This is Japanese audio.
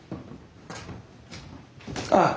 ああ！